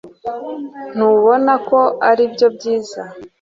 Ntubona ko aribyo byiza?